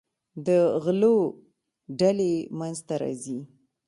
د غلو ډلې منځته راځي.